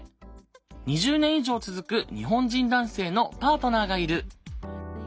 ２０年以上続く日本人男性のパートナーがいる。